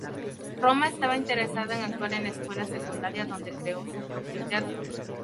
Roma estaba interesada en actuar en la escuela secundaria, donde creó su propio teatro.